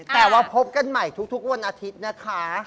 แต่ว่าพบกันใหม่ทุกวันอาทิตย์นะคะ